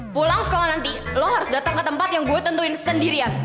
pulang sekolah nanti lo harus datang ke tempat yang gue tentuin sendirian